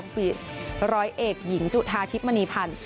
ร้อยเอกหญิงจุธาทิพย์มณีพันธ์